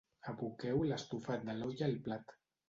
Aboqueu l'estofat de l'olla al plat.